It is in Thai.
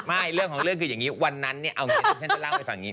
ไม่เรื่องของเรื่องคืออย่างนี้วันนั้นเนี่ยเอาอย่างนี้ที่ท่านจะเล่าให้ฟังอย่างนี้